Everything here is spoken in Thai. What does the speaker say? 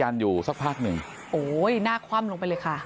โอ้ยหน้าคว่ำลงไปเลยค่ะ